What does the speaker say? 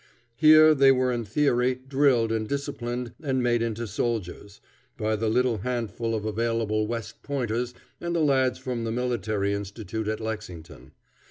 Here they were in theory drilled and disciplined and made into soldiers, by the little handful of available West Pointers and the lads from the Military Institute at Lexington.